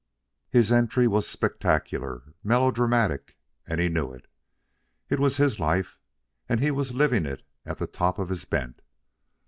His entry was spectacular, melodramatic; and he knew it. It was his life, and he was living it at the top of his bent.